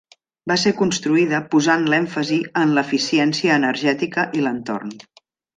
Va ser construïda posant l'èmfasi en l'eficiència energètica i l'entorn.